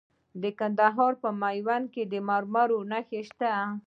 د کندهار په میوند کې د مرمرو نښې شته.